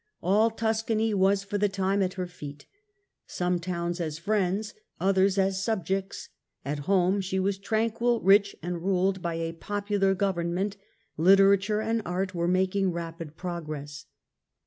All Tuscany was for the time at her feet ; some towns as friends, others as subjects : at home she was tranquil, rich and ruled by a popular government ; literature and art were making rapid pro gress.